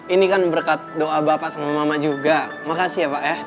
ini kan berkat doa bapak sama mama juga makasih ya pak ya